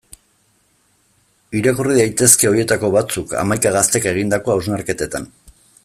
Irakurri daitezke horietako batzuk, hamaika gaztek egindako hausnarketetan.